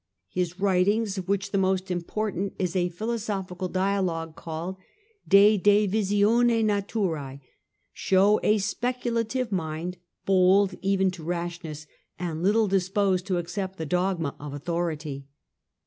His writings, of which the most important is a Philosophical dialogue called De Divisione Natural, show a speculative mind, bold even to rashness and little disposed to accept the dog mas of authority.